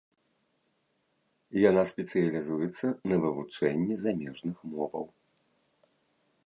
Яна спецыялізуецца на вывучэнні замежных моваў.